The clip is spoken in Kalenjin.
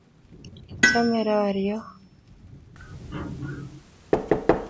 ichome roryon